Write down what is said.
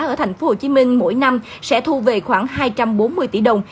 ở tp hcm mỗi năm sẽ thu về khoảng hai trăm bốn mươi tỷ đồng